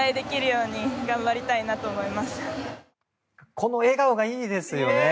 この笑顔がいいですよね。